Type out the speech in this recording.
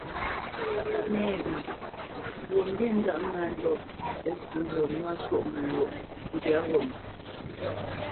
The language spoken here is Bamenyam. Nɛ̂wye Mbwoʼmbî ndáʼ ŋá ndɔ̂ tə pʉ̌ gho nwá ntwôʼ məlwɔʼ ndyǎ ghó mə.